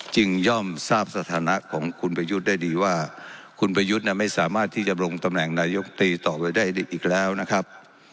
ย่อมทราบสถานะของคุณประยุทธ์ได้ดีว่าคุณประยุทธ์ไม่สามารถที่จะบรงตำแหน่งนายกตรีต่อไปได้อีกแล้วนะครับ